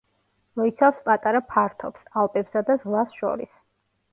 მოიცავს პატარა ფართობს, ალპებსა და ზღვას შორის.